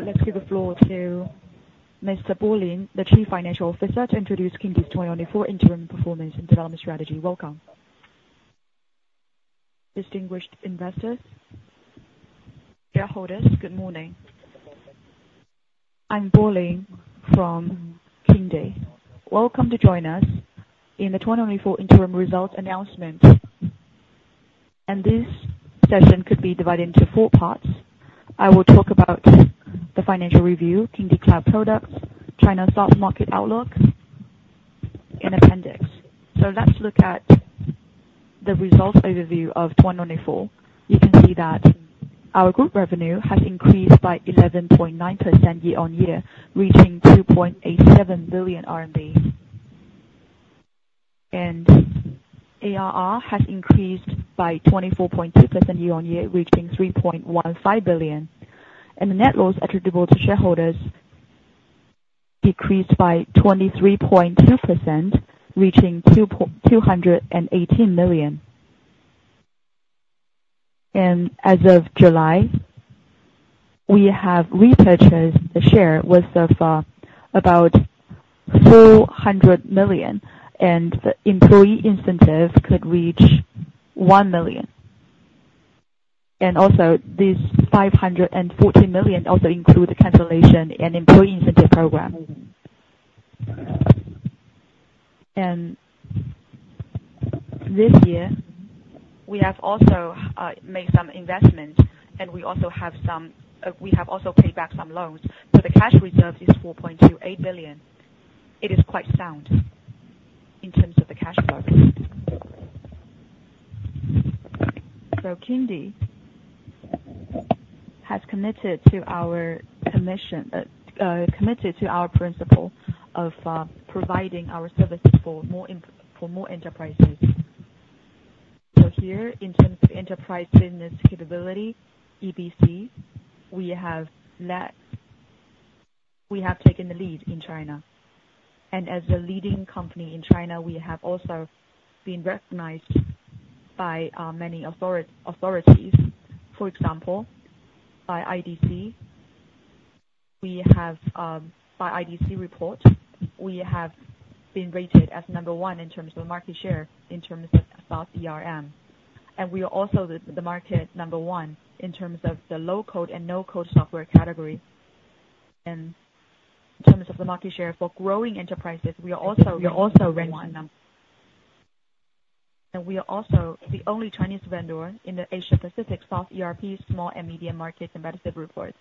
Now let's give the floor to Mr. Bo Lin, the Chief Financial Officer, to introduce Kingdee's 2024 interim performance and development strategy. Welcome. Distinguished investors, shareholders, good morning. I'm Bo Lin from Kingdee. Welcome to join us in the 2024 interim results announcement. This session could be divided into four parts. I will talk about the financial review, Kingdee cloud products, China SaaS market outlook, and appendix. Let's look at the results overview of 2024. You can see that our group revenue has increased by 11.9% year-on-year, reaching 2.87 billion RMB. ARR has increased by 24.2% year-on-year, reaching 3.15 billion. The net loss attributable to shareholders decreased by 23.2%, reaching RMB 218 million. As of July, we have repurchased shares worth about 400 million, and the employee incentive could reach 1 million. And also, these 514 million also include the cancellation and employee incentive program. This year, we have also made some investments, and we also have some, we have also paid back some loans. So the cash reserve is 4.28 billion. It is quite sound in terms of the cash flow. So Kingdee has committed to our commitment, committed to our principle of providing our services for more enterprises. So here, in terms of enterprise business capability, EBC, we have taken the lead in China, and as the leading company in China, we have also been recognized by many authorities. For example, by IDC report, we have been rated as number one in terms of market share, in terms of SaaS CRM. We are also the market number one in terms of the low-code and no-code software category. In terms of the market share for growing enterprises, we are also ranking number one. We are also the only Chinese vendor in the Asia Pacific SaaS ERP, small and medium markets and medicine reports.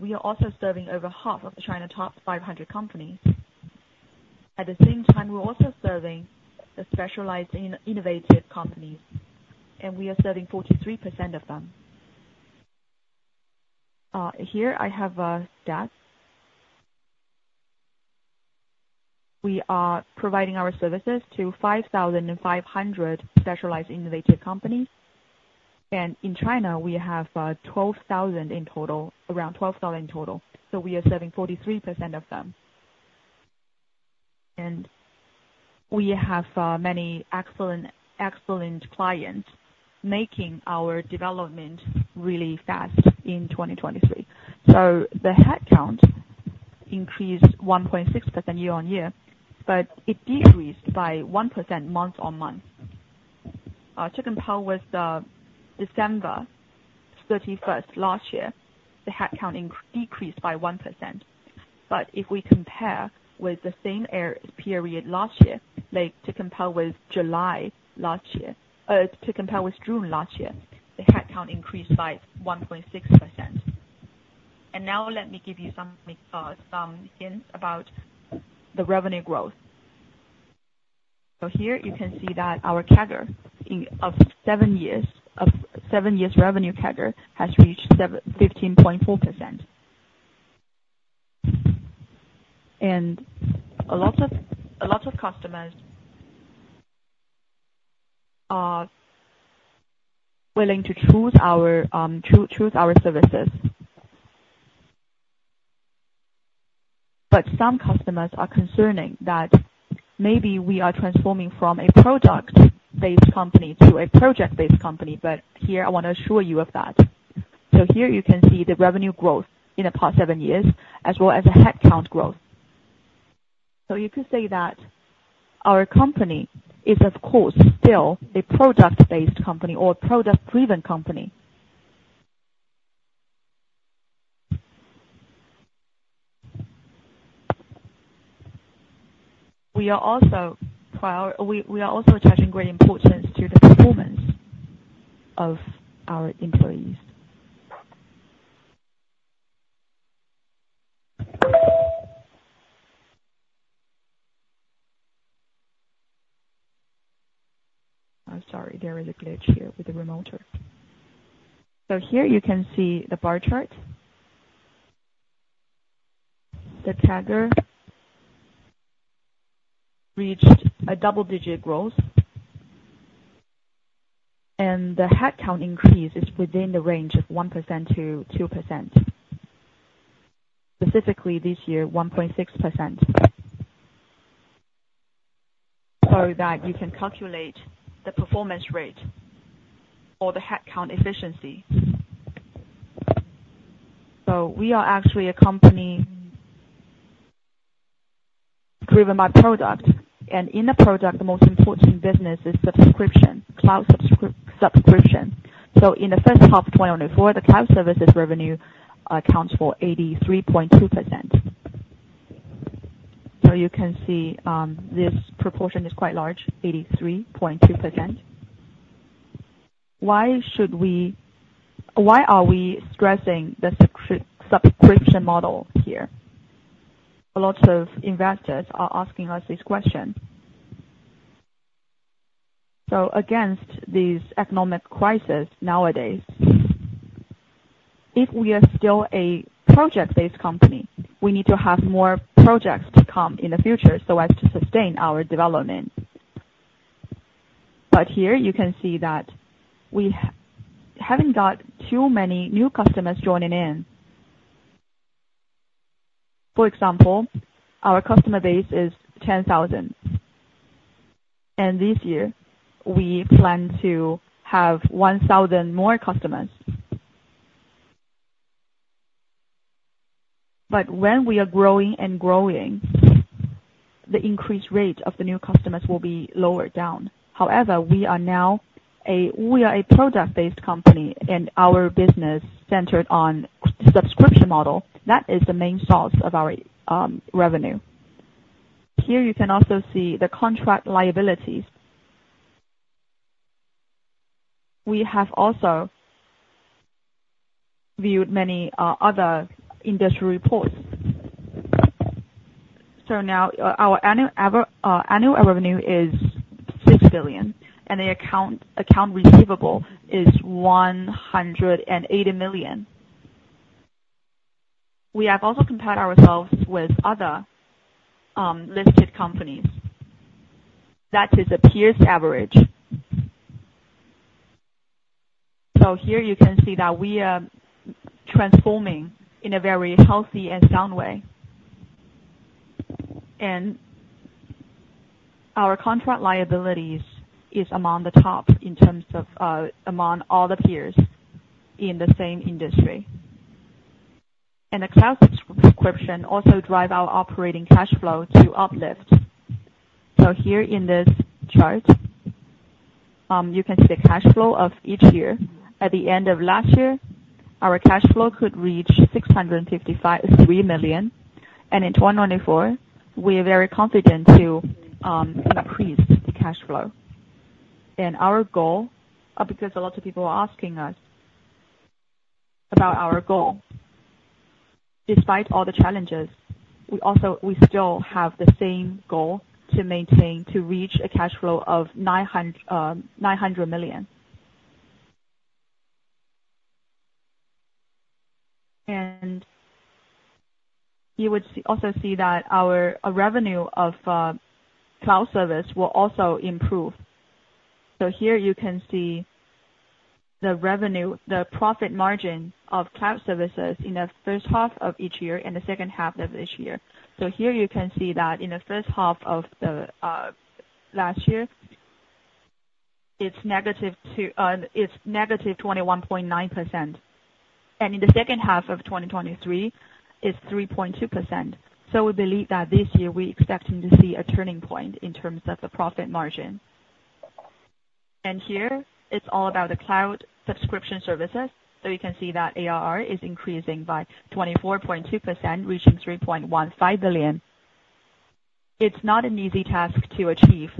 We are also serving over half of the China top 500 companies. At the same time, we're also serving the specialized innovative companies, and we are serving 43% of them. Here I have a stat. We are providing our services to 5,500 specialized innovative companies, and in China, we have 12,000 in total, around 12,000 in total, so we are serving 43% of them. We have many excellent, excellent clients, making our development really fast in 2023. So the headcount increased 1.6% year-on-year, but it decreased by 1% month-on-month. To compare with December 31 last year, the headcount decreased by 1%. But if we compare with the same period last year, like to compare with July last year, to compare with June last year, the headcount increased by 1.6%. And now let me give you some hints about the revenue growth. So here you can see that our CAGR of seven years revenue CAGR has reached 15.4%. And a lot of customers are willing to choose our services. But some customers are concerned that maybe we are transforming from a product-based company to a project-based company, but here I want to assure you of that. So here you can see the revenue growth in the past seven years, as well as the headcount growth. So you could say that our company is, of course, still a product-based company or product-driven company. We are also attaching great importance to the performance of our employees. I'm sorry, there is a glitch here with the remote. So here you can see the bar chart. The CAGR reached a double-digit growth, and the headcount increase is within the range of 1%-2%. Specifically, this year, 1.6%... so that you can calculate the performance rate or the headcount efficiency. So we are actually a company driven by product, and in the product, the most important business is subscription, cloud subscription. So in the H1 of 2024, the cloud services revenue accounts for 83.2%. So you can see, this proportion is quite large, 83.2%. Why are we stressing the subscription model here? A lot of investors are asking us this question. So against these economic crisis nowadays, if we are still a project-based company, we need to have more projects to come in the future so as to sustain our development. But here you can see that we haven't got too many new customers joining in. For example, our customer base is 10,000, and this year, we plan to have 1,000 more customers. When we are growing and growing, the increased rate of the new customers will be lower down. However, we are now a product-based company, and our business centered on subscription model. That is the main source of our revenue. Here you can also see the contract liabilities. We have also viewed many other industry reports. So now, our annual revenue is 6 billion, and the accounts receivable is 180 million. We have also compared ourselves with other listed companies. That is a peers average. So here you can see that we are transforming in a very healthy and sound way, and our contract liabilities is among the top in terms of among all the peers in the same industry. And the cloud subscription also drive our operating cash flow to uplift. So here in this chart, you can see the cash flow of each year. At the end of last year, our cash flow could reach 653 million, and in 2024, we are very confident to increase the cash flow. Our goal, because a lot of people are asking us about our goal, despite all the challenges, we also, we still have the same goal, to maintain, to reach a cash flow of 900 million. And you would see, also see that our revenue of cloud service will also improve. So here you can see the revenue, the profit margin of cloud services in the H1 of each year and the H2 of this year. So here you can see that in the H1 of the last year, it's -21.9%, and in the H2 of 2023, it's 3.2%. So we believe that this year we are expecting to see a turning point in terms of the profit margin. And here, it's all about the cloud subscription services. So you can see that ARR is increasing by 24.2%, reaching 3.15 billion. It's not an easy task to achieve,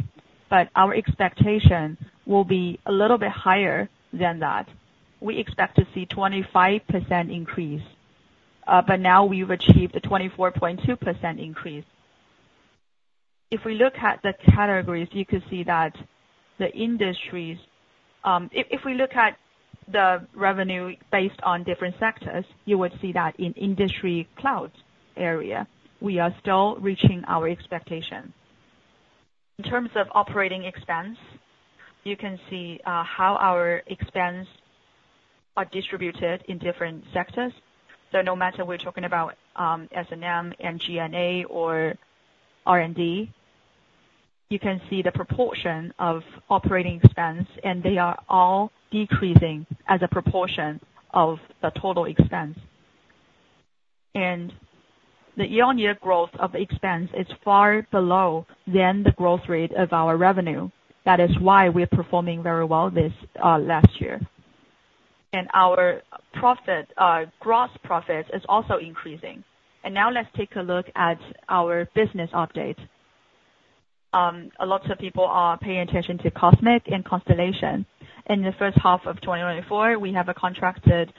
but our expectation will be a little bit higher than that. We expect to see 25% increase, but now we've achieved a 24.2% increase. If we look at the categories, you can see that the industries... If we look at the revenue based on different sectors, you would see that in industry clouds area, we are still reaching our expectation. In terms of operating expense, you can see how our expense are distributed in different sectors. So no matter we're talking about S&M, and G&A or R&D, you can see the proportion of operating expense, and they are all decreasing as a proportion of the total expense. The year-on-year growth of expense is far below than the growth rate of our revenue. That is why we are performing very well this last year. Our profit, gross profit is also increasing. And now let's take a look at our business update. A lot of people are paying attention to Cosmic and Constellation. In the H1 of 2024, we have a contracted,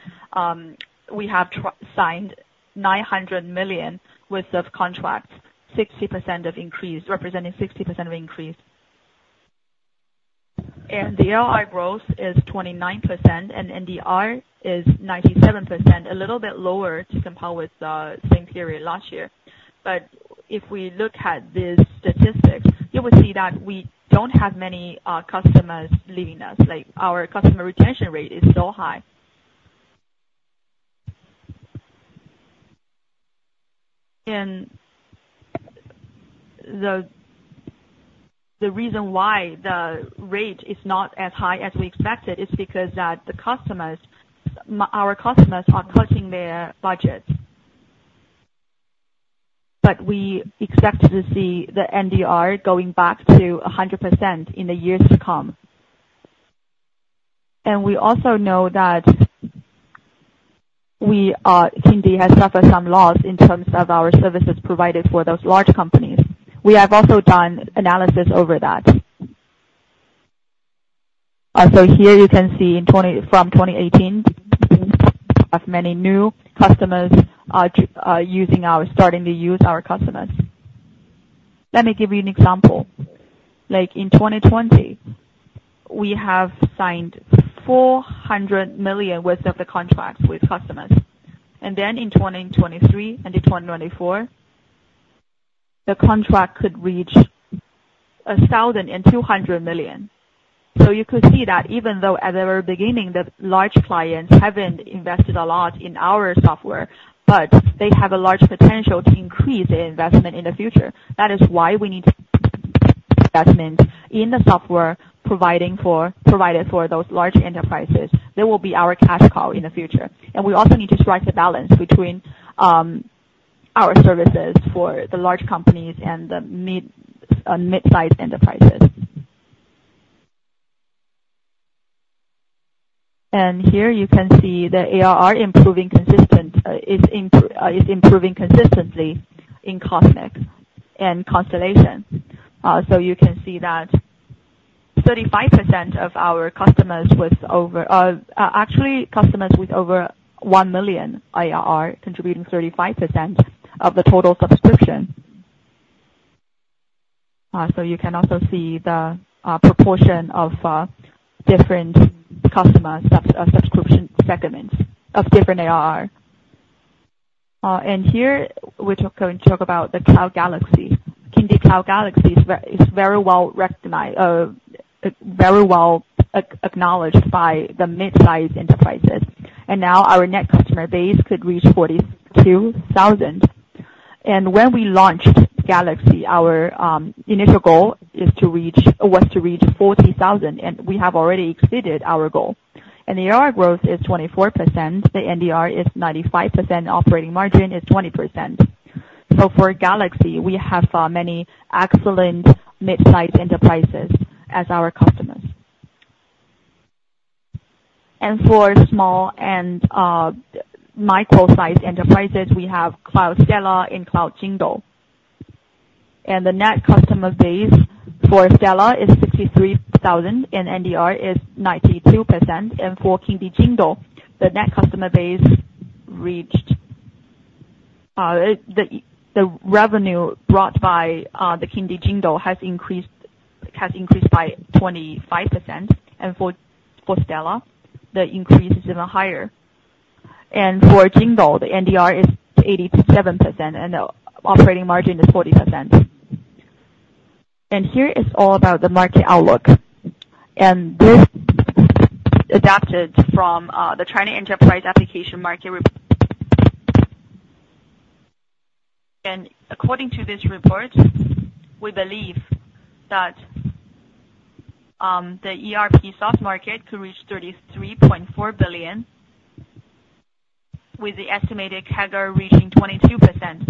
we have signed 900 million worth of contracts, 60% increase, representing 60% increase. And the ROI growth is 29%, and NDR is 97%, a little bit lower somehow with the same period last year. But if we look at the statistics, you will see that we don't have many, customers leaving us. Like, our customer retention rate is so high.... And the reason why the rate is not as high as we expected is because that the customers, our customers are cutting their budgets. But we expect to see the NDR going back to 100% in the years to come. And we also know that we are, Kingdee has suffered some loss in terms of our services provided for those large companies. We have also done analysis over that. So here you can see from 2018, have many new customers starting to use our customers. Let me give you an example. Like, in 2020, we have signed 400 million worth of the contracts with customers, and then in 2023 and in 2024, the contract could reach 1,200 million. So you could see that even though at the very beginning, the large clients haven't invested a lot in our software, but they have a large potential to increase their investment in the future. That is why we need investment in the software, providing for those large enterprises. They will be our cash cow in the future. We also need to strike a balance between our services for the large companies and the mid-sized enterprises. Here you can see the ARR is improving consistently in Cosmic and Constellation. So you can see that 35% of our customers with over 1 million ARR, actually contributing 35% of the total subscription. So you can also see the proportion of different customer subscription segments of different ARR. And here, we're going to talk about the Cloud Galaxy. Kingdee Cloud Galaxy is very well recognized, very well acknowledged by the mid-sized enterprises. And now our net customer base could reach 42,000. When we launched Galaxy, our initial goal is to reach—was to reach 40,000, and we have already exceeded our goal. The ARR growth is 24%, the NDR is 95%, operating margin is 20%. So for Galaxy, we have many excellent mid-sized enterprises as our customers. For small and micro-sized enterprises, we have Cloud Stella and Cloud Kingdo. The net customer base for Stella is 63,000, and NDR is 92%. For Kingdee Jingdou, the net customer base reached the revenue brought by the Kingdee Jingdou has increased by 25%. For Stella, the increase is even higher. For Kingdo, the NDR is 87% and the operating margin is 40%. Here is all about the market outlook, and this adapted from the China Enterprise Application Market Report. According to this report, we believe that the ERP SaaS market could reach 33.4 billion, with the estimated CAGR reaching 22%.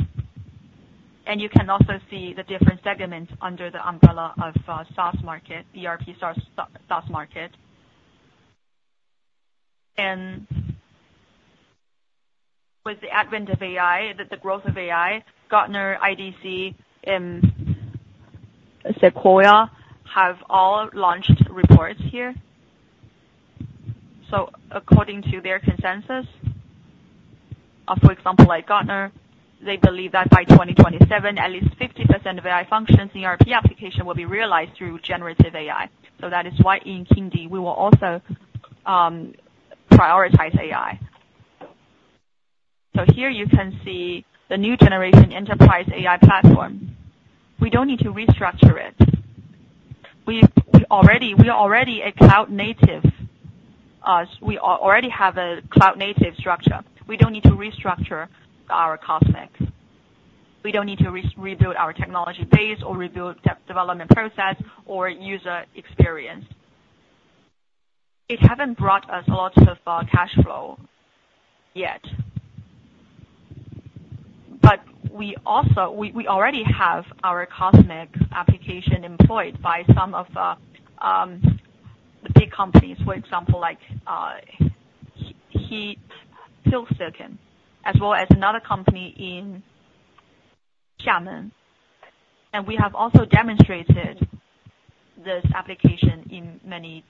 You can also see the different segments under the umbrella of SaaS market, ERP SaaS, SaaS market. With the advent of AI, the growth of AI, Gartner, IDC, and Sequoia have all launched reports here. So according to their consensus, for example, like Gartner, they believe that by 2027, at least 50% of AI functions in ERP application will be realized through generative AI. So that is why in Kingdee, we will also prioritize AI. So here you can see the new generation enterprise AI platform. We don't need to restructure it. We are already a cloud native. We already have a cloud-native structure. We don't need to restructure our Cosmic. We don't need to rebuild our technology base or rebuild development process or user experience. It haven't brought us a lot of cash flow yet. But we also. We already have our Cosmic application employed by some of the big companies, for example, like HiSilicon, as well as another company in Xiamen. And we have also demonstrated this application in many.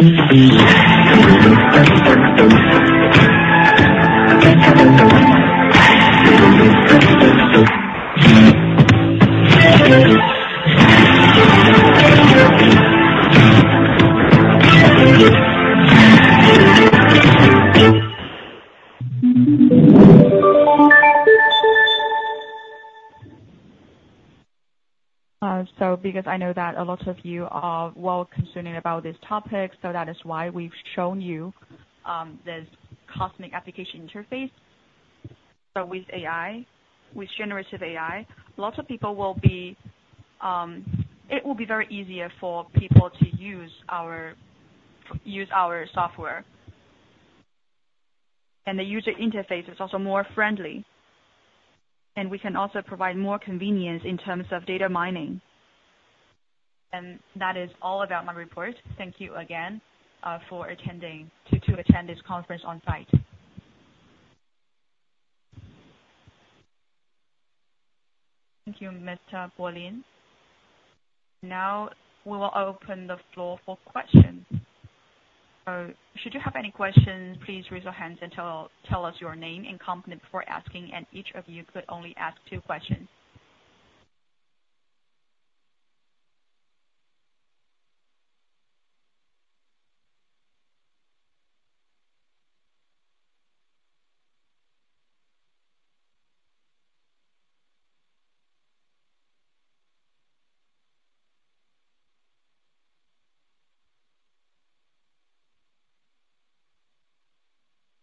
So because I know that a lot of you are well-concerned about this topic, so that is why we've shown you this cosmic application interface. But with AI, with generative AI, lots of people will be, it will be very easier for people to use our, use our software. The user interface is also more friendly, and we can also provide more convenience in terms of data mining. That is all about my report. Thank you again, for attending, to attend this conference on site. Thank you, Bo Lin. Now, we will open the floor for questions. Should you have any questions, please raise your hands and tell us your name and company before asking, and each of you could only ask two questions.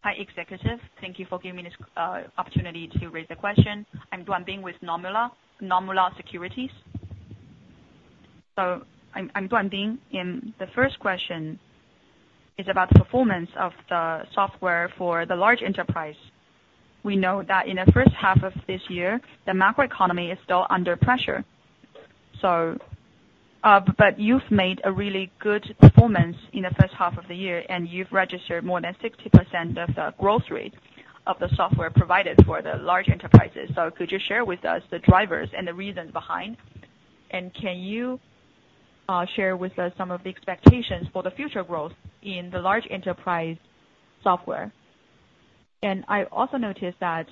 Hi, executive. Thank you for giving me this, opportunity to raise a question. I'm Bing Duan with Nomura Securities. So I'm Bing Duan, and the first question is about the performance of the software for the large enterprise. We know that in the H1 of this year, the macroeconomy is still under pressure. So, but you've made a really good performance in the H1 of the year, and you've registered more than 60% of the growth rate of the software provided for the large enterprises. So could you share with us the drivers and the reasons behind? And can you share with us some of the expectations for the future growth in the large enterprise software? And I also noticed that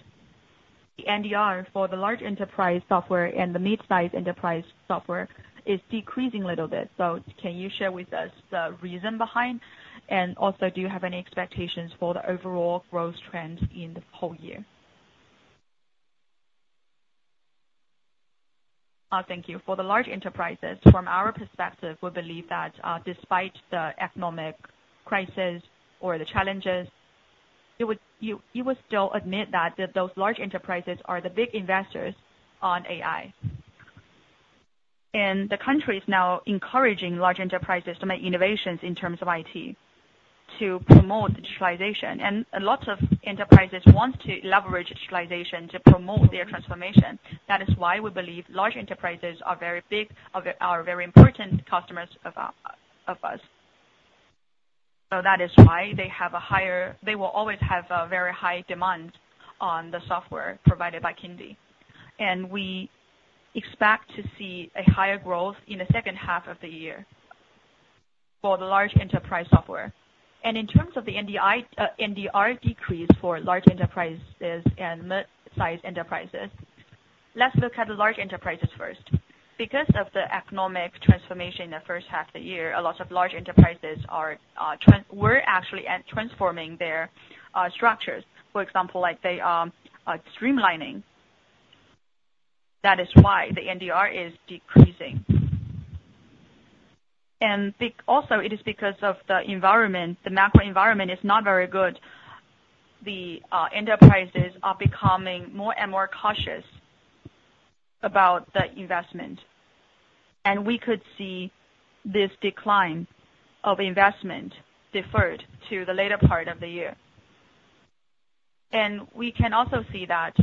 the NDR for the large enterprise software and the mid-size enterprise software is decreasing a little bit. So can you share with us the reason behind, and also, do you have any expectations for the overall growth trends in the whole year? Thank you. For the large enterprises, from our perspective, we believe that, despite the economic crisis or the challenges, you would still admit that those large enterprises are the big investors on AI. And the country is now encouraging large enterprises to make innovations in terms of IT, to promote digitalization. And a lot of enterprises want to leverage digitalization to promote their transformation. That is why we believe large enterprises are very important customers of us. So that is why they have a higher... They will always have a very high demand on the software provided by Kingdee. And we expect to see a higher growth in the H2 of the year for the large enterprise software. And in terms of the NDR decrease for large enterprises and mid-size enterprises, let's look at the large enterprises first. Because of the economic transformation in the H1 of the year, a lot of large enterprises are transforming their structures. For example, like they are streamlining. That is why the NDR is decreasing. And also, it is because of the environment. The macro environment is not very good. The enterprises are becoming more and more cautious about the investment, and we could see this decline of investment deferred to the later part of the year. And we can also see that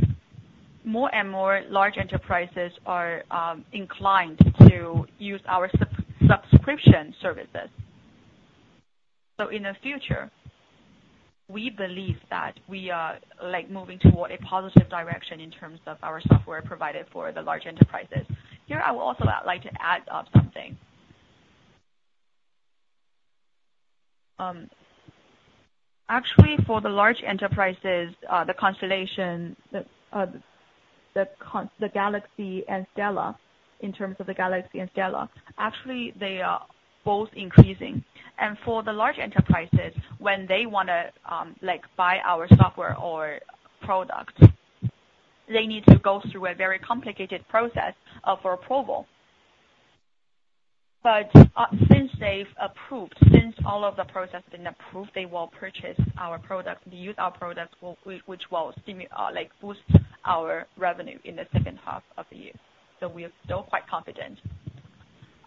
more and more large enterprises are inclined to use our subscription services. So in the future, we believe that we are, like, moving toward a positive direction in terms of our software provided for the large enterprises. Here, I would also like to add something. Actually, for the large enterprises, the Constellation, the Galaxy and Stella, in terms of the Galaxy and Stella, actually, they are both increasing. For the large enterprises, when they wanna, like, buy our software or product, they need to go through a very complicated process for approval. But, since they've approved, since all of the process been approved, they will purchase our product. They use our products, which will, like, boost our revenue in the H2 of the year. So we are still quite confident.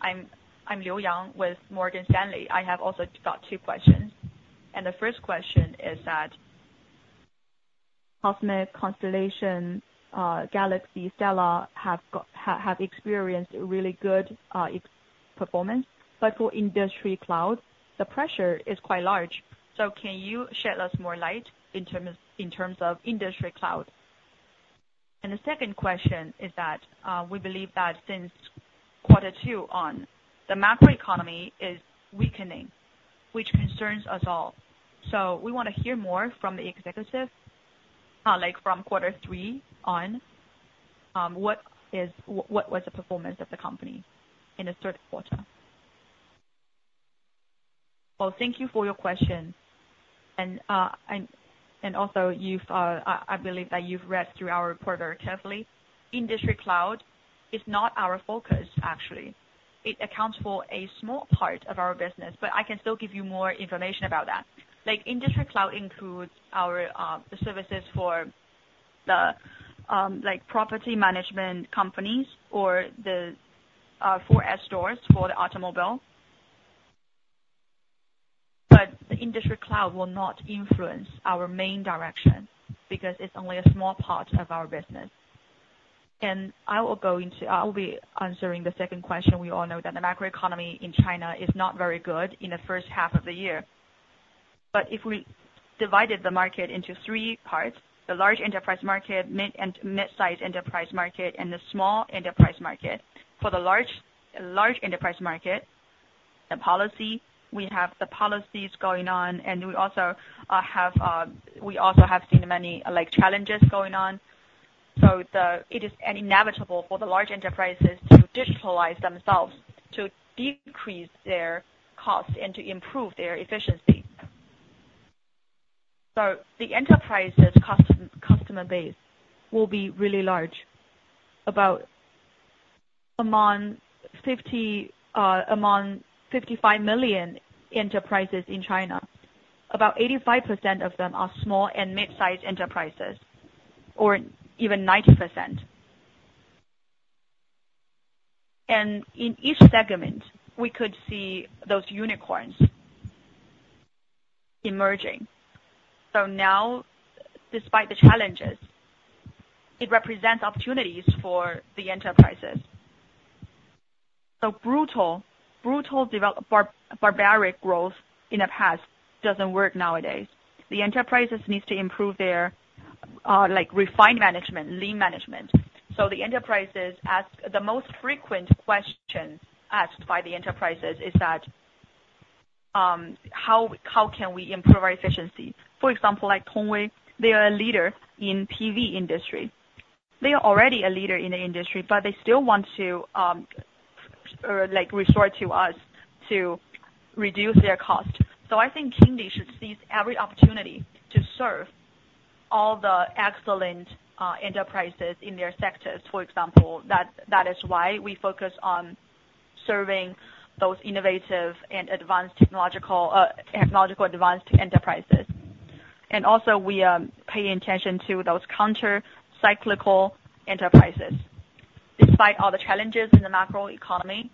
I'm Liu Yang with Morgan Stanley. I have also got two questions. The first question is that Cosmic, Constellation, Galaxy, Stella have got have experienced a really good performance. But for industry cloud, the pressure is quite large. So can you shed us more light in terms, in terms of industry cloud? And the second question is that, we believe that since quarter two on, the macroeconomy is weakening, which concerns us all. So we want to hear more from the executive, like from quarter three on, what was the performance of the company in the Q3? Well, thank you for your question. And also, I believe that you've read through our report very carefully. Industry cloud is not our focus, actually. It accounts for a small part of our business, but I can still give you more information about that. Like, industry cloud includes our, the services for the, like, property management companies or the, 4S stores for the automobile. But the industry cloud will not influence our main direction, because it's only a small part of our business. And I will go into... I'll be answering the second question. We all know that the macroeconomy in China is not very good in the H1 of the year. But if we divided the market into three parts, the large enterprise market, mid and mid-sized enterprise market, and the small enterprise market. For the large enterprise market, the policy, we have the policies going on, and we also have seen many like challenges going on. So it is inevitable for the large enterprises to digitalize themselves, to decrease their cost and to improve their efficiency. So the enterprise's customer base will be really large, about 55 million enterprises in China, about 85% of them are small and mid-sized enterprises, or even 90%. And in each segment, we could see those unicorns emerging. So now, despite the challenges, it represents opportunities for the enterprises. So barbaric growth in the past doesn't work nowadays. The enterprises needs to improve their, like, refined management, lean management. So the enterprises ask, the most frequent question asked by the enterprises is that, how, how can we improve our efficiency? For example, like Tongwei, they are a leader in PV industry. They are already a leader in the industry, but they still want to, like, resort to us to reduce their cost. So I think Kingdee should seize every opportunity to serve all the excellent enterprises in their sectors, for example, that is why we focus on serving those innovative and advanced technological advanced enterprises. And also, we pay attention to those countercyclical enterprises. Despite all the challenges in the macroeconomy,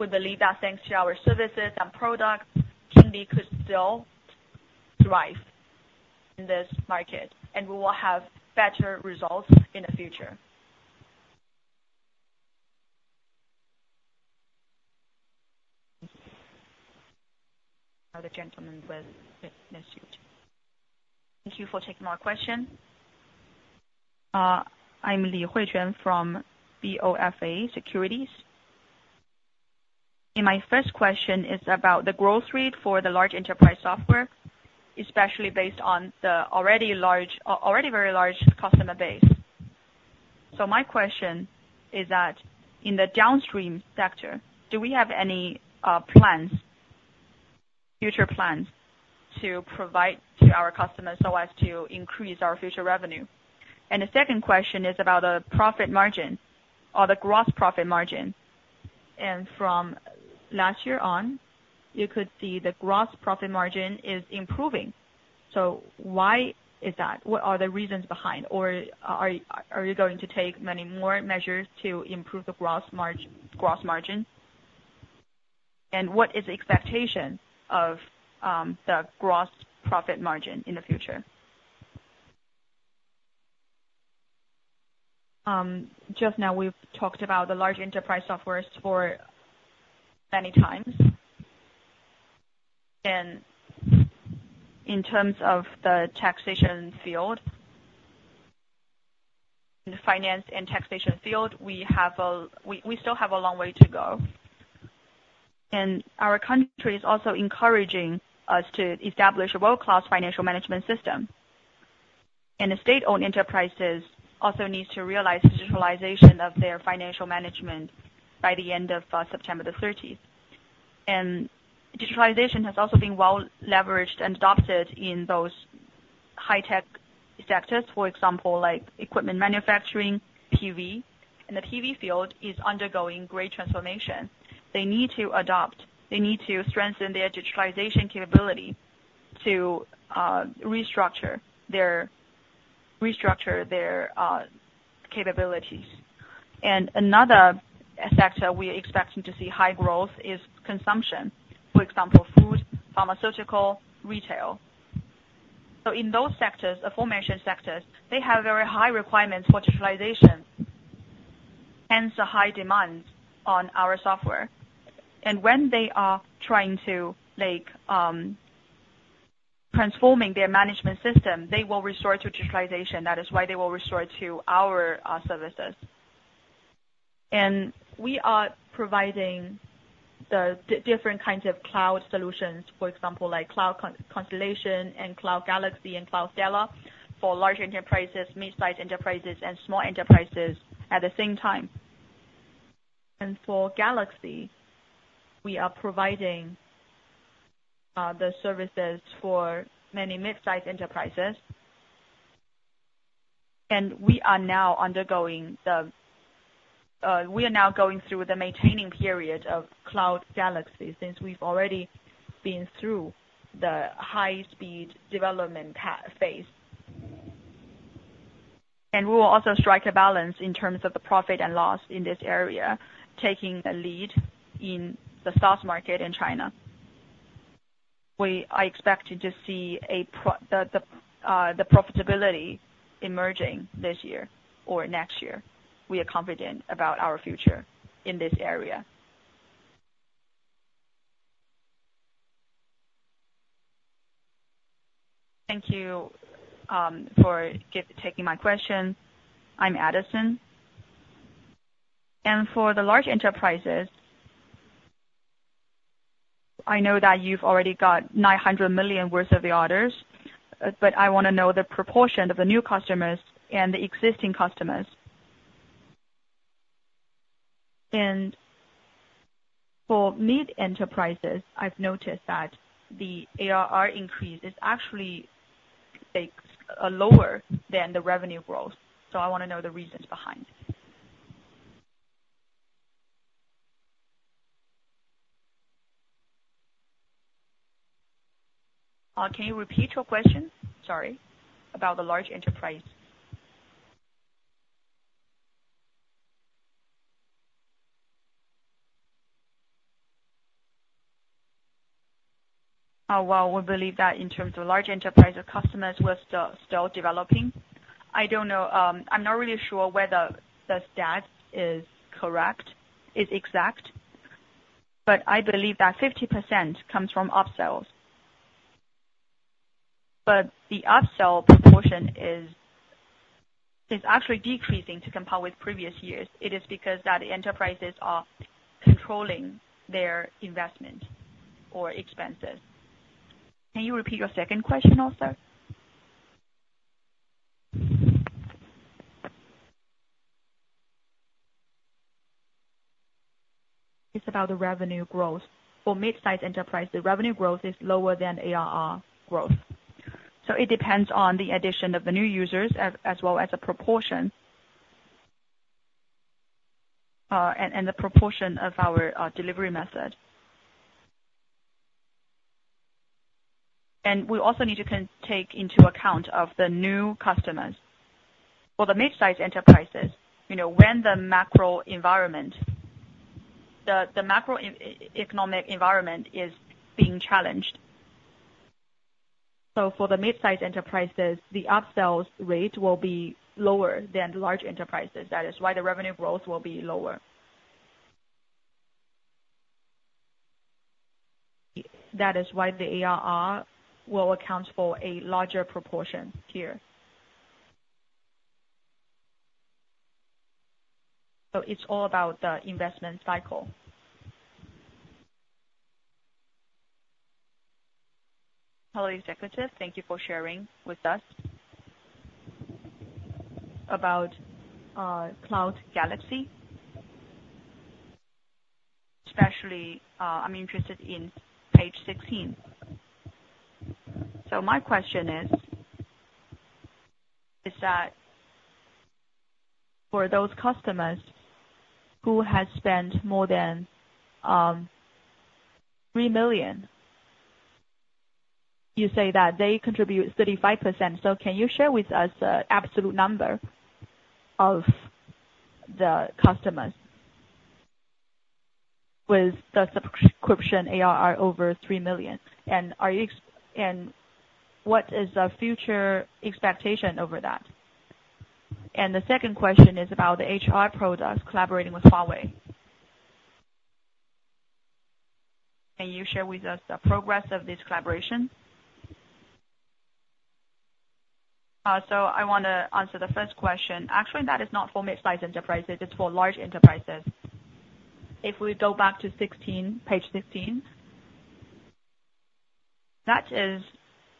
we believe that thanks to our services and products, Kingdee could still thrive in this market, and we will have better results in the future. The gentleman with the suit. Thank you for taking my question. I'm Li Huishan from BofA Securities. And my first question is about the growth rate for the large enterprise software, especially based on the already large, already very large customer base. So my question is that, in the downstream sector, do we have any plans, future plans to provide to our customers so as to increase our future revenue? And the second question is about the profit margin or the gross profit margin. And from last year on, you could see the gross profit margin is improving. So why is that? What are the reasons behind? Or are you going to take many more measures to improve the gross margin, gross margin? And what is the expectation of the gross profit margin in the future? Just now, we've talked about the large enterprise softwares for many times. And in terms of the taxation field, the finance and taxation field, we still have a long way to go. And our country is also encouraging us to establish a world-class financial management system. The state-owned enterprises also needs to realize the digitalization of their financial management by the end of September 30. Digitalization has also been well leveraged and adopted in those high-tech sectors, for example, like equipment manufacturing, PV. The PV field is undergoing great transformation. They need to adopt. They need to strengthen their digitalization capability to restructure their capabilities. Another sector we're expecting to see high growth is consumption, for example, food, pharmaceutical, retail. So in those sectors, the aforementioned sectors, they have very high requirements for digitalization, hence the high demand on our software. When they are trying to, like, transforming their management system, they will resort to digitalization. That is why they will resort to our services. We are providing the different kinds of cloud solutions, for example, like Cloud Constellation and Cloud Galaxy and Cloud Stella, for large enterprises, mid-sized enterprises, and small enterprises at the same time. For Galaxy, we are providing the services for many mid-sized enterprises. We are now undergoing the, we are now going through the maintaining period of Cloud Galaxy, since we've already been through the high speed development phase. We will also strike a balance in terms of the profit and loss in this area, taking a lead in the SaaS market in China. We are expecting to see the profitability emerging this year or next year. We are confident about our future in this area. Thank you for taking my question. I'm Addison. For the large enterprises, I know that you've already got 900 million worth of the orders, but I wanna know the proportion of the new customers and the existing customers. For mid enterprises, I've noticed that the ARR increase is actually, like, lower than the revenue growth, so I wanna know the reasons behind it. Can you repeat your question? Sorry. About the large enterprise. Well, we believe that in terms of large enterprise, our customers, we're still developing. I don't know, I'm not really sure whether the stat is correct, is exact, but I believe that 50% comes from upsells. But the upsell proportion is actually decreasing to compare with previous years. It is because that the enterprises are controlling their investment or expenses. Can you repeat your second question also? It's about the revenue growth. For mid-sized enterprise, the revenue growth is lower than ARR growth. So it depends on the addition of the new users, as well as the proportion and the proportion of our delivery method. And we also need to take into account of the new customers. For the mid-sized enterprises, you know, when the macro environment, the macro economic environment is being challenged. So for the mid-sized enterprises, the upsells rate will be lower than the large enterprises. That is why the revenue growth will be lower. That is why the ARR will account for a larger proportion here. So it's all about the investment cycle. Hello, executives. Thank you for sharing with us about Cloud Galaxy. Especially, I'm interested in page 16. So my question is, is that for those customers who has spent more than 3 million, you say that they contribute 35%. So can you share with us the absolute number of the customers with the subscription ARR over 3 million? And what is the future expectation over that? And the second question is about the HR product collaborating with Huawei. Can you share with us the progress of this collaboration? So I wanna answer the first question. Actually, that is not for mid-sized enterprises, it's for large enterprises. If we go back to 16, page 16... That is,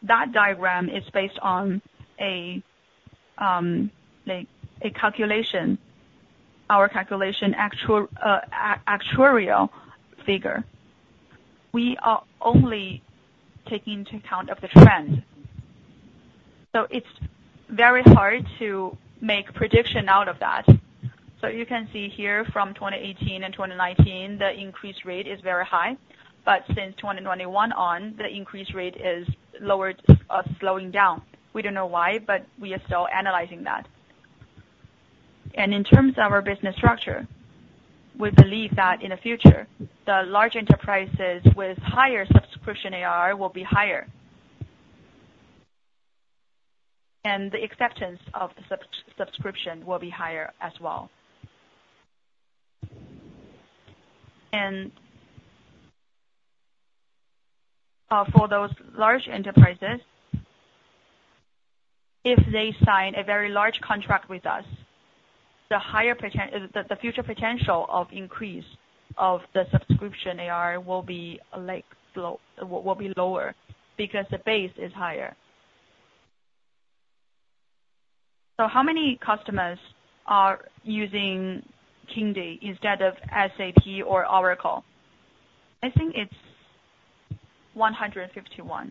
that diagram is based on a like, a calculation, our calculation, actual, actuarial figure. We are only taking into account of the trend. So it's very hard to make prediction out of that. So you can see here from 2018 and 2019, the increase rate is very high, but since 2021 on, the increase rate is lowered, slowing down. We don't know why, but we are still analyzing that. In terms of our business structure, we believe that in the future, the large enterprises with higher subscription ARR will be higher. The acceptance of the subscription will be higher as well. For those large enterprises, if they sign a very large contract with us, the future potential of increase of the subscription ARR will be, like, low, will be lower because the base is higher. So how many customers are using Kingdee instead of SAP or Oracle? I think it's 151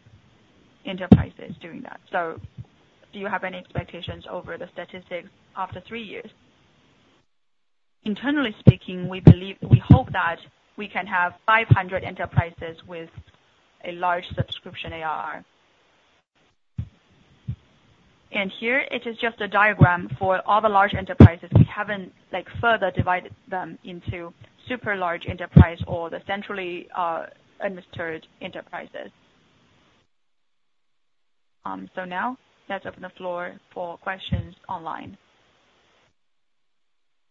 enterprises doing that. So do you have any expectations over the statistics after three years? Internally speaking, we believe, we hope that we can have 500 enterprises with a large subscription ARR. And here, it is just a diagram for all the large enterprises. We haven't, like, further divided them into super large enterprise or the centrally administered enterprises. So now, let's open the floor for questions online.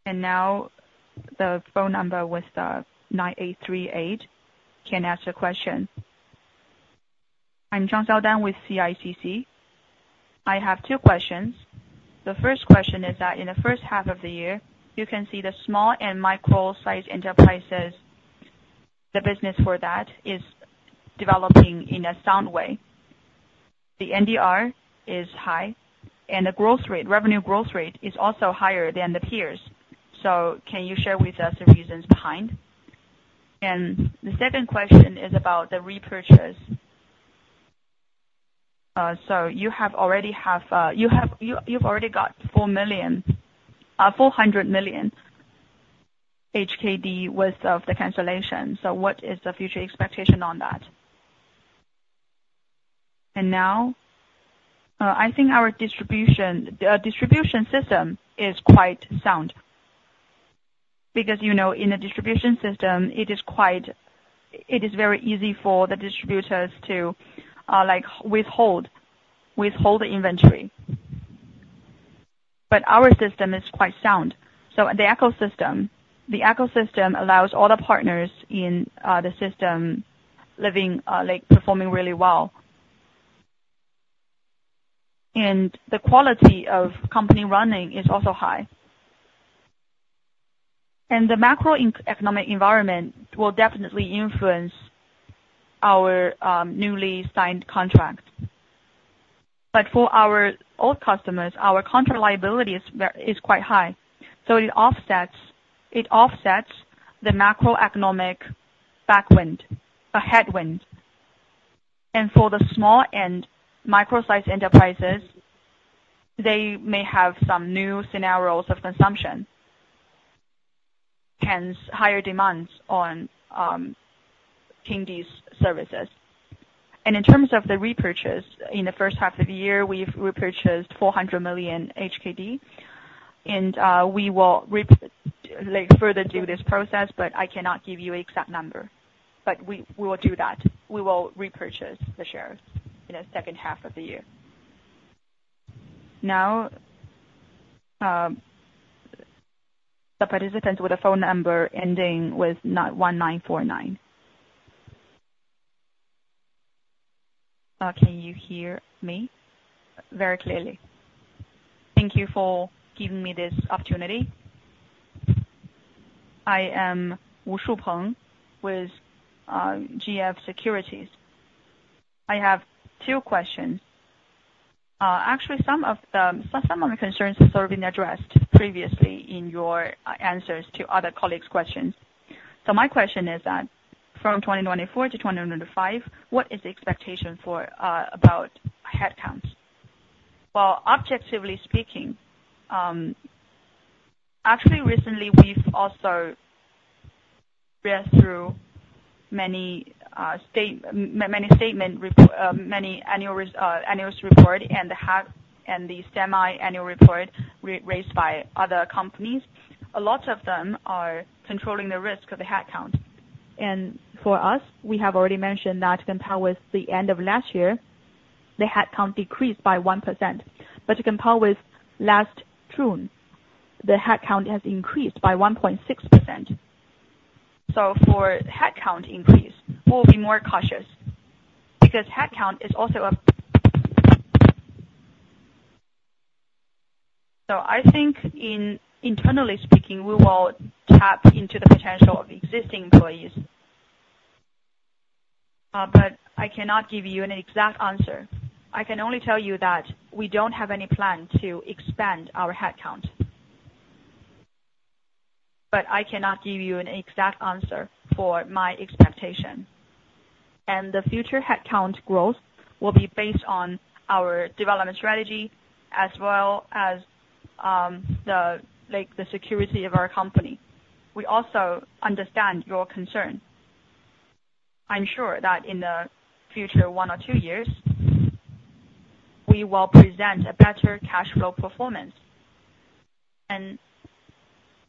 Now, the phone number with 9838 can ask a question. I'm Xiaodan Zhang with CICC. I have two questions. The first question is that in the H1 of the year, you can see the small and micro-sized enterprises, the business for that is developing in a sound way. The NDR is high, and the growth rate, revenue growth rate is also higher than the peers. So can you share with us the reasons behind? And the second question is about the repurchase. So you've already got 400 million HKD worth of the cancellation. So what is the future expectation on that? And now, I think our distribution system is quite sound. Because, you know, in a distribution system, it is very easy for the distributors to, like, withhold the inventory. But our system is quite sound. So the ecosystem, the ecosystem allows all the partners in, the system living, like, performing really well. The quality of company running is also high. The macroeconomic environment will definitely influence our newly signed contract. But for our old customers, our counter liability is quite high, so it offsets, it offsets the macroeconomic backwind, headwind. For the small and micro-sized enterprises, they may have some new scenarios of consumption, hence higher demands on, Kingdee’s services. In terms of the repurchase, in the H1 of the year, we’ve repurchased 400 million HKD, and, we will like, further do this process, but I cannot give you an exact number. But we, we will do that. We will repurchase the shares in the H2 of the year. Now, the participant with a phone number ending with 91949. Can you hear me? Very clearly. Thank you for giving me this opportunity. I am Shupeng Wu with GF Securities. I have two questions. Actually, some of the concerns have been addressed previously in your answers to other colleagues' questions. So my question is that from 2024 to 2025, what is the expectation for about headcounts? Well, objectively speaking, actually recently, we've also read through many annual reports and the semi-annual reports released by other companies. A lot of them are controlling the risk of the headcount. And for us, we have already mentioned that compared with the end of last year, the headcount decreased by 1%. But compared with last June, the headcount has increased by 1.6%. For headcount increase, we'll be more cautious, because headcount is also. So I think, internally speaking, we will tap into the potential of existing employees. But I cannot give you an exact answer. I can only tell you that we don't have any plan to expand our headcount. But I cannot give you an exact answer for my expectation. The future headcount growth will be based on our development strategy, as well as the, like, the security of our company. We also understand your concern. I'm sure that in the future, one or two years, we will present a better cash flow performance.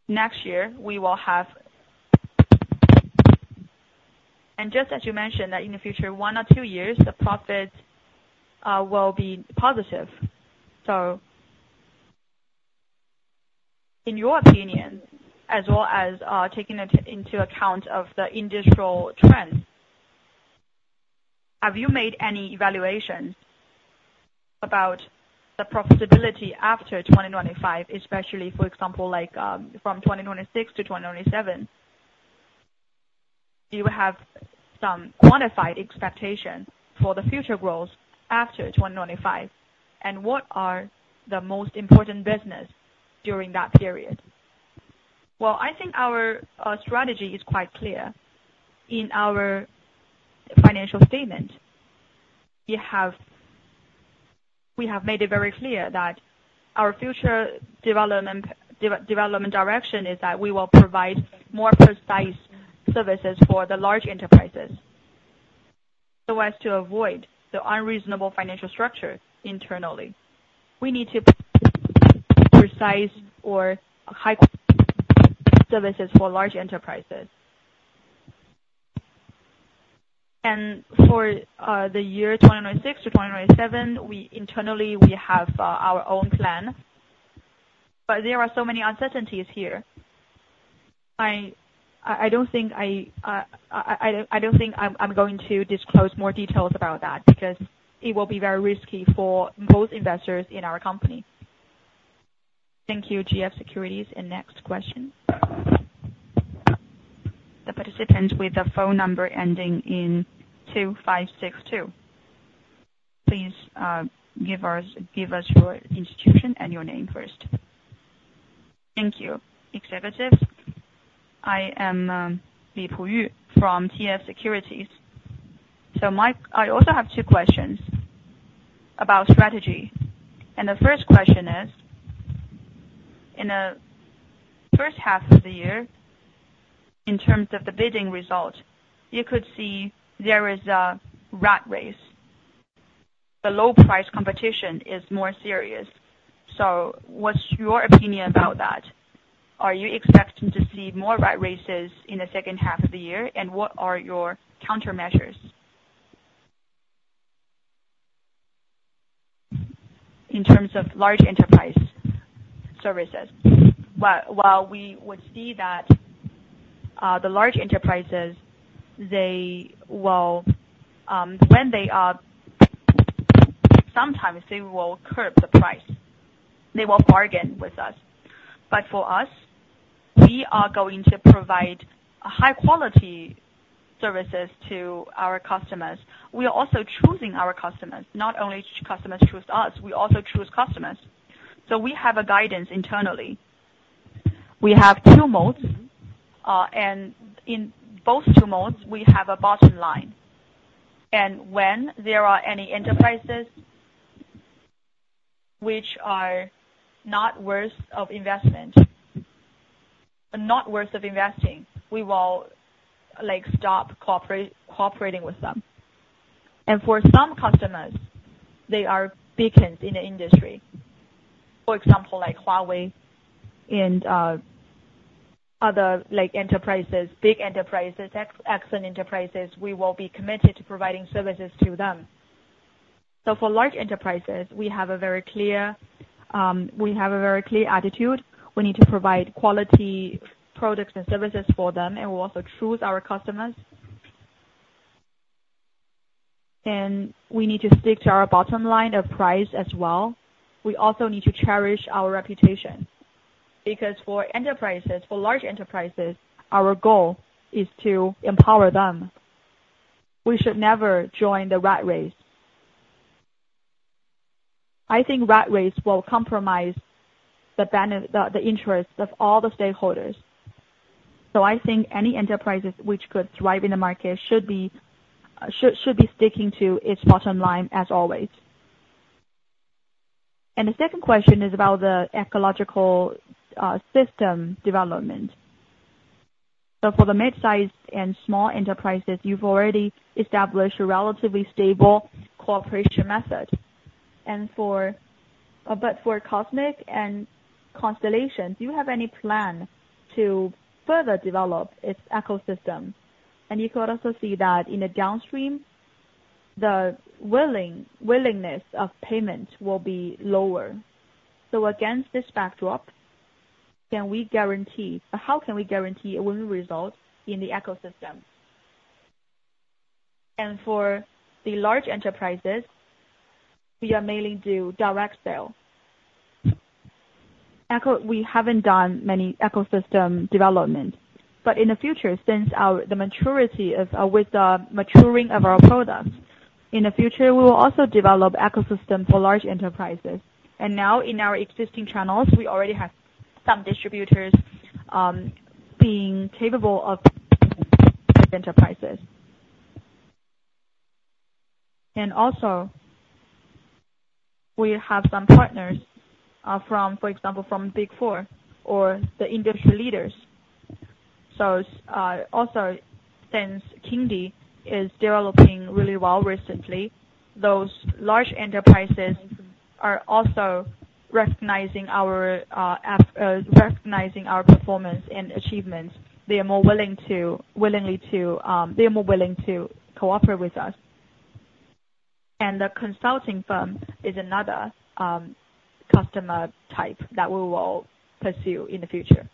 Next year. Just as you mentioned, that in the future, one or two years, the profits will be positive. So in your opinion, as well as taking it into account of the industrial trend, have you made any evaluation about the profitability after 2025, especially, for example, like, from 2026 to 2027? Do you have some quantified expectation for the future growth after 2025, and what are the most important business during that period? Well, I think our strategy is quite clear. In our financial statement, we have made it very clear that our future development direction is that we will provide more precise services for the large enterprises, so as to avoid the unreasonable financial structure internally. We need to precise or high services for large enterprises. And for the year 2026 to 2027, we internally have our own plan, but there are so many uncertainties here. I don't think I'm going to disclose more details about that, because it will be very risky for both investors in our company. Thank you, GF Securities. Next question. The participant with the phone number ending in 2562. Please give us your institution and your name first. Thank you, executives. I am Lipu Yu from TF Securities. So I also have two questions about strategy. The first question is: In the H1 of the year, in terms of the bidding result, you could see there is a rat race. The low price competition is more serious. So what's your opinion about that? Are you expecting to see more rat races in the H2 of the year, and what are your countermeasures? In terms of large enterprise services, while we would see that, the large enterprises, they will, when they are... Sometimes they will curb the price. They will bargain with us. But for us, we are going to provide high quality services to our customers. We are also choosing our customers. Not only customers choose us, we also choose customers. So we have a guidance internally. We have two modes, and in both two modes, we have a bottom line. And when there are any enterprises which are not worth of investment, not worth of investing, we will, like, stop cooperate, cooperating with them. And for some customers, they are beacons in the industry. For example, like Huawei and other, like, enterprises, big enterprises, excellent enterprises, we will be committed to providing services to them. So for large enterprises, we have a very clear attitude. We need to provide quality products and services for them, and we'll also choose our customers. We need to stick to our bottom line of price as well. We also need to cherish our reputation, because for enterprises, for large enterprises, our goal is to empower them. We should never join the rat race. I think rat race will compromise the interest of all the stakeholders. So I think any enterprises which could thrive in the market should be sticking to its bottom line as always. And the second question is about the ecological system development. So for the mid-sized and small enterprises, you've already established a relatively stable cooperation method. But for Cosmic and Constellation, do you have any plan to further develop its ecosystem? And you could also see that in the downstream, the willingness of payment will be lower. So against this backdrop, can we guarantee or how can we guarantee a winning result in the ecosystem? For the large enterprises, we are mainly do direct sale. Eco, we haven't done many ecosystem development, but in the future, with the maturing of our products, in the future, we will also develop ecosystem for large enterprises. And now in our existing channels, we already have some distributors, being capable of enterprises. And also, we have some partners, from, for example, from Big Four or the industry leaders. So, also, since Kingdee is developing really well recently, those large enterprises are also recognizing our performance and achievements. They are more willing to cooperate with us. And the consulting firm is another customer type that we will pursue in the future.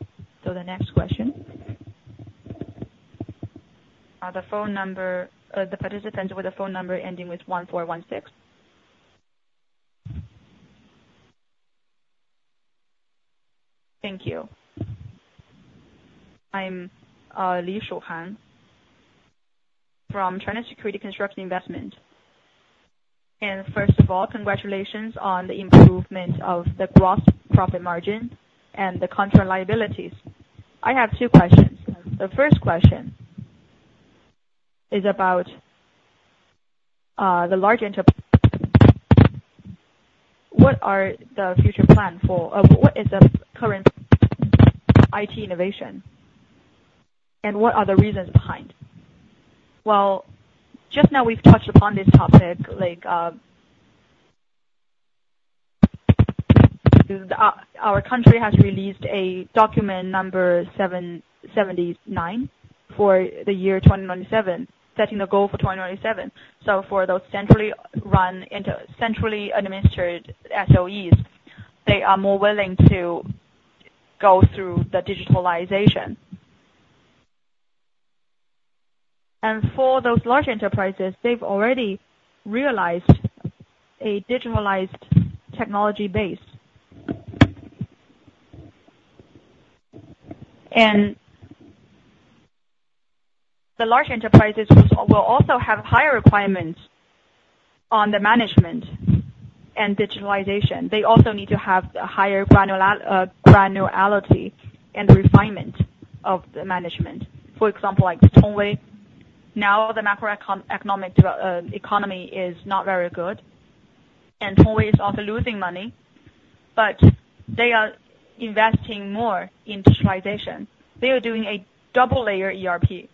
So the next question? The phone number, the participant with the phone number ending with 1416. Thank you. I'm Li Shuhan from China Security Construction Investment. First of all, congratulations on the improvement of the gross profit margin and the contract liabilities. I have two questions. The first question is about the large enterprises. What are the future plan for... what is the current IT innovation, and what are the reasons behind? Well, just now we've touched upon this topic, like, our country has released a Document 79 for the year 2027, setting a goal for 2027. So for those centrally run centrally administered SOEs, they are more willing to go through the digitalization. And for those large enterprises, they've already realized a digitalized technology base. And the large enterprises will also have higher requirements on the management and digitalization. They also need to have a higher granularity and refinement of the management. For example, like Tongwei, now the economy is not very good, and Tongwei is also losing money, but they are investing more in digitalization. They are doing a double layer ERP.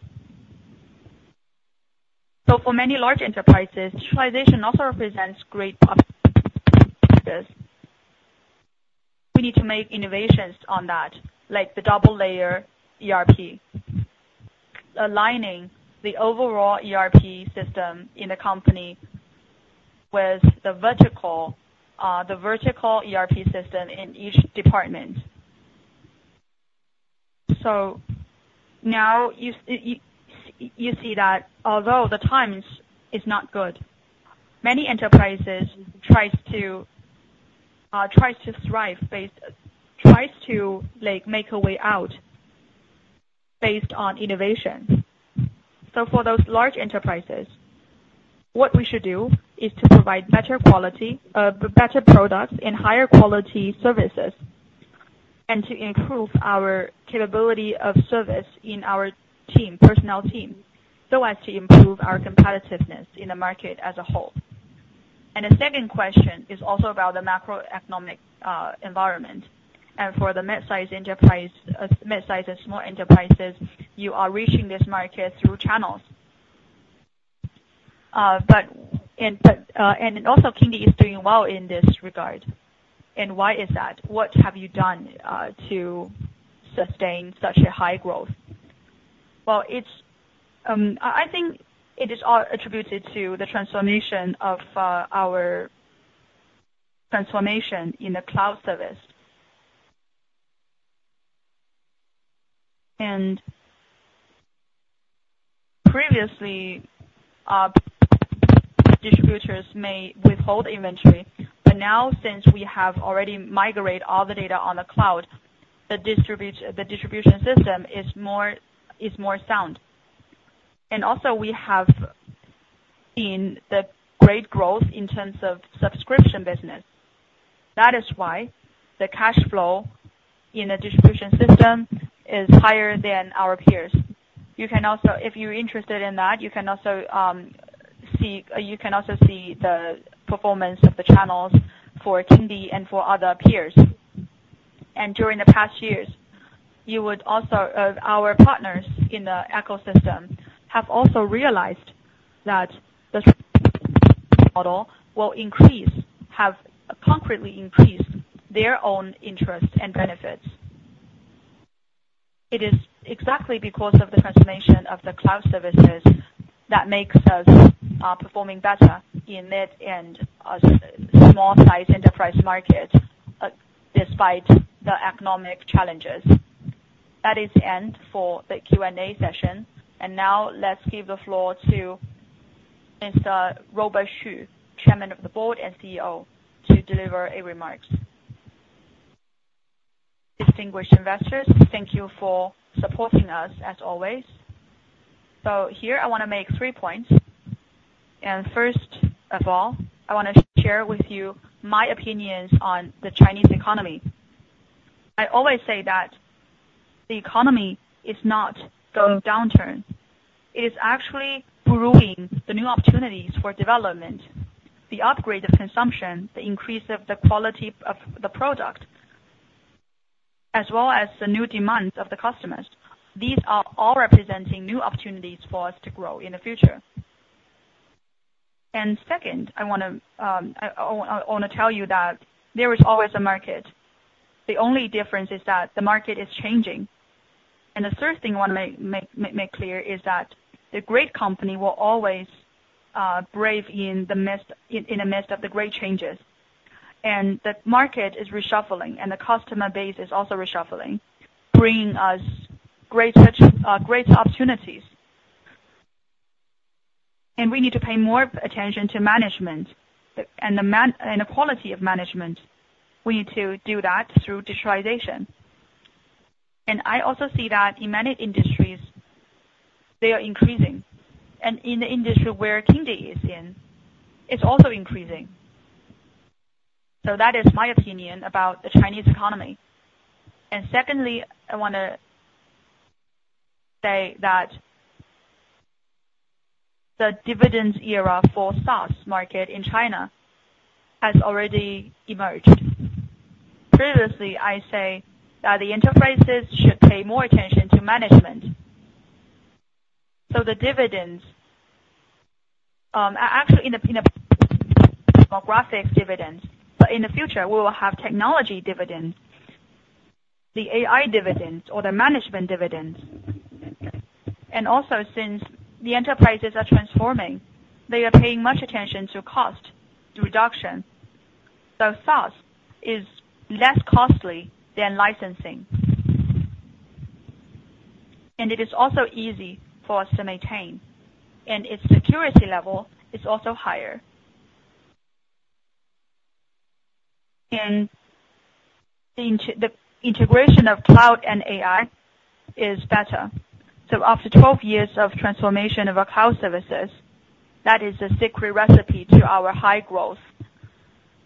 So for many large enterprises, digitalization also represents great opportunities. We need to make innovations on that, like the double layer ERP. Aligning the overall ERP system in the company with the vertical ERP system in each department. So now you see that although the times is not good, many enterprises tries to thrive based on, like, make a way out, based on innovation. So for those large enterprises, what we should do is to provide better quality, better products and higher quality services, and to improve our capability of service in our team, personnel team, so as to improve our competitiveness in the market as a whole. The second question is also about the macroeconomic environment. For the mid-sized enterprise, mid-sized and small enterprises, you are reaching this market through channels. But also, Kingdee is doing well in this regard. And why is that? What have you done to sustain such a high growth? Well, it's, I, I think it is all attributed to the transformation of our transformation in the cloud service. Previously, distributors may withhold inventory, but now, since we have already migrate all the data on the cloud, the distribution system is more sound. And also, we have seen the great growth in terms of subscription business. That is why the cash flow in the distribution system is higher than our peers. You can also, if you're interested in that, you can also see the performance of the channels for Kingdee and for other peers. And during the past years, you would also our partners in the ecosystem have also realized that the model will increase, have concretely increased their own interest and benefits. It is exactly because of the transformation of the cloud services that makes us performing better in mid and small-sized enterprise markets, despite the economic challenges. That is the end for the Q&A session. Now let's give the floor to Mr. Robert Xu, Chairman of the Board and CEO, to deliver remarks. Distinguished investors, thank you for supporting us as always. So here I want to make three points. First of all, I want to share with you my opinions on the Chinese economy. I always say that the economy is not going downturn, it is actually brewing the new opportunities for development, the upgrade of consumption, the increase of the quality of the product, as well as the new demands of the customers. These are all representing new opportunities for us to grow in the future. And second, I wanna tell you that there is always a market. The only difference is that the market is changing. The third thing I want to make clear is that a great company will always brave in the midst of the great changes. The market is reshuffling, and the customer base is also reshuffling, bringing us great such great opportunities. We need to pay more attention to management and the quality of management. We need to do that through digitalization. I also see that in many industries, they are increasing. In the industry where Kingdee is in, it's also increasing. That is my opinion about the Chinese economy. Secondly, I want to say that the dividends era for SaaS market in China has already emerged. Previously, I say that the enterprises should pay more attention to management. So the dividends, actually in the demographic dividends, but in the future, we will have technology dividend, the AI dividend or the management dividend. And also, since the enterprises are transforming, they are paying much attention to cost reduction. So SaaS is less costly than licensing, and it is also easy for us to maintain, and its security level is also higher. And the integration of cloud and AI is better. So after 12 years of transformation of our cloud services, that is the secret recipe to our high growth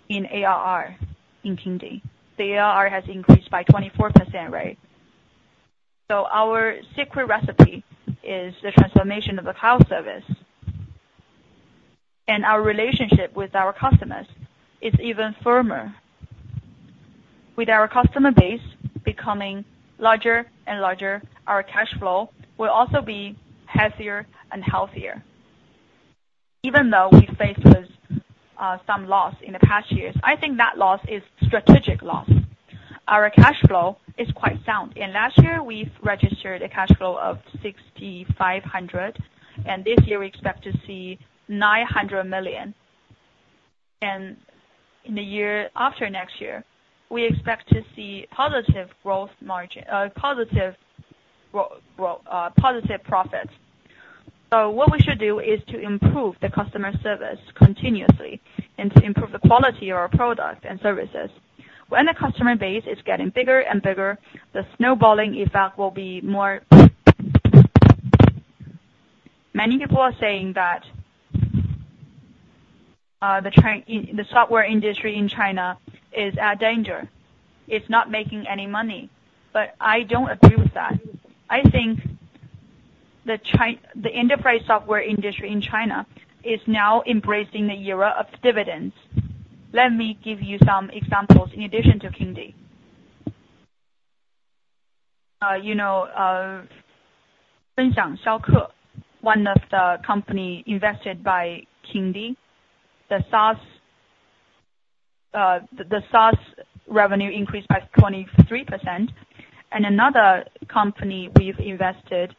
in ARR in Kingdee. The ARR has increased by 24%, right? So our secret recipe is the transformation of the cloud service, and our relationship with our customers is even firmer. With our customer base becoming larger and larger, our cash flow will also be healthier and healthier. Even though we faced with some loss in the past years, I think that loss is strategic loss. Our cash flow is quite sound, and last year we registered a cash flow of 6,500, and this year we expect to see 900 million. In the year after next year, we expect to see positive growth margin, positive profits. What we should do is to improve the customer service continuously and to improve the quality of our products and services. When the customer base is getting bigger and bigger, the snowballing effect will be more. Many people are saying that the software industry in China is at danger, it's not making any money, but I don't agree with that. I think the enterprise software industry in China is now embracing the era of dividends. Let me give you some examples in addition to Kingdee. You know, Fenxiang Xiaoke, one of the company invested by Kingdee, the SaaS revenue increased by 23%. And another company we've invested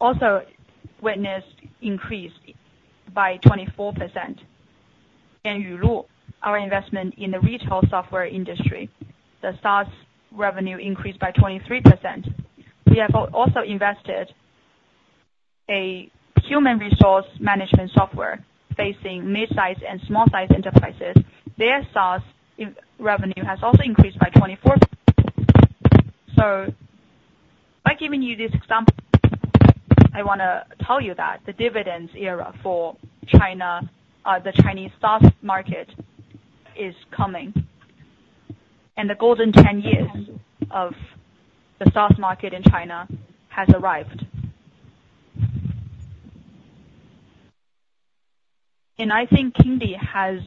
also witnessed increase by 24%. And, our investment in the retail software industry, the SaaS revenue increased by 23%. We have also invested a human resource management software facing mid-size and small-size enterprises. Their SaaS revenue has also increased by 24. So by giving you this example, I wanna tell you that the dividends era for China, the Chinese SaaS market is coming, and the golden 10 years of the SaaS market in China has arrived. And I think Kingdee has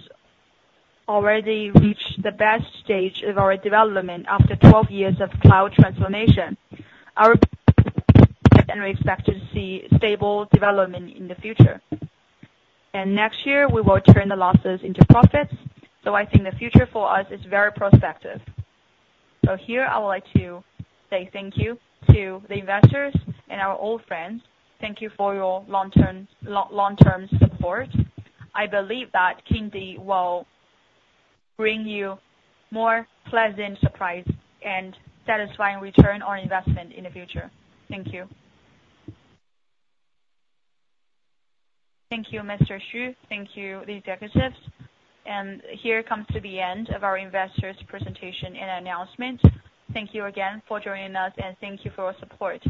already reached the best stage of our development after 12 years of cloud transformation, and we expect to see stable development in the future. Next year, we will turn the losses into profits. I think the future for us is very prospective. Here I would like to say thank you to the investors and our old friends. Thank you for your long-term, long, long-term support. I believe that Kingdee will bring you more pleasant surprise and satisfying return on investment in the future. Thank you. Thank you, Mr. Xu. Thank you, the executives. Here comes to the end of our investors presentation and announcement. Thank you again for joining us, and thank you for your support.